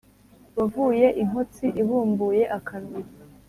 wavuye inkotsi ibumbuye akanwa